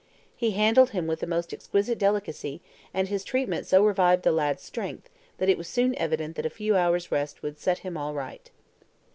He handled him with the most exquisite delicacy, and his treatment so revived the lad's strength, that it was soon evident that a few hours' rest would set him all right.